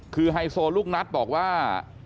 คือไฮโซลูกนัทบอกว่า